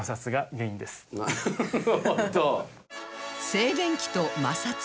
静電気と摩擦